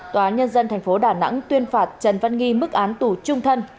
tòa án nhân dân thành phố đà nẵng tuyên phạt trần văn nghi mức án tù trung thân